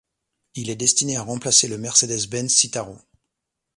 Il est destiné à remplacer le Mercedes-Benz Citaro.